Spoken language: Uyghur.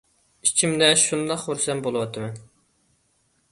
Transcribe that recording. ئىچىمدە شۇنداق خۇرسەن بولۇۋاتىمەن